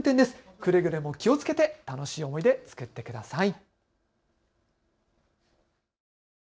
くれぐれも気をつけて楽しい思い出作ってください。